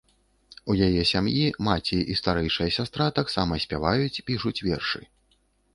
У яе сям'і маці і старэйшая сястра таксама спяваюць, пішуць вершы.